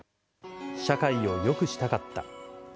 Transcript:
社会をよくしたかった。